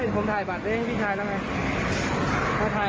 ลูกค้าชอบว่าเลือดประทับเห็นไหม